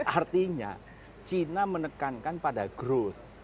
artinya china menekankan pada growth